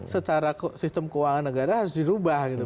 secara sistem keuangan negara harus dirubah gitu